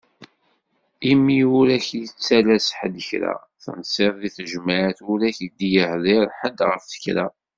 Imi ur ak-yettalas ḥed kra! Tensiḍ deg tejmaɛt ur ak-d-yehḍir ḥed ɣef kra.